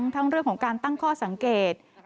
ทั้งเรื่องของการตั้งข้อสังเกต